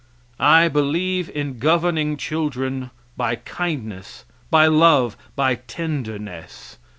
I believe in governing children by kindness, by love, by tenderness.